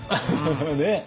ねえ。